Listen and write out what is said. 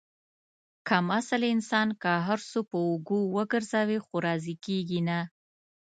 کم اصل انسان که هر څو په اوږو وگرځوې، خو راضي کېږي نه.